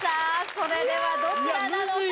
それではどちらなのか？